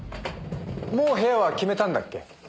もう部屋は決めたんだっけ？